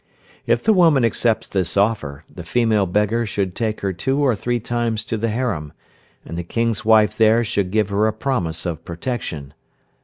If the woman accepts this offer, the female beggar should take her two or three times to the harem, and the King's wife there should give her a promise of protection.